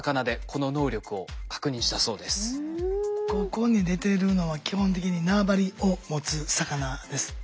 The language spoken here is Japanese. ここに出てるのは基本的に縄張りを持つ魚です。